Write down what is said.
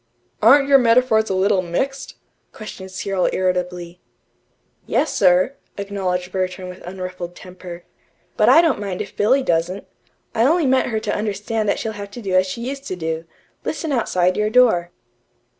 "Aren't your metaphors a little mixed?" questioned Cyril irritably. "Yes, sir," acknowledged Bertram with unruffled temper, "but I don't mind if Billy doesn't. I only meant her to understand that she'd have to do as she used to do listen outside your door."